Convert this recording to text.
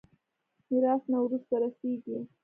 ميراث نه ورته رسېږي.